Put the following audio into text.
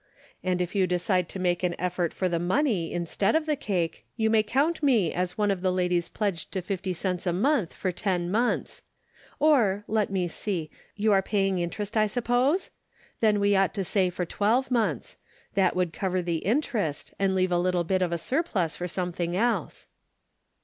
And if you decide to make an effort for the money instead of the cake, you may count me as one, of ladies pledged 86 The Pocket Measure. to fifty cents a month for ten months. Or, let me see ; you are paying interest, I suppose ? Then we ought to say for twelve months ; that would cover the interest and leave a little bit of a surplus for something else."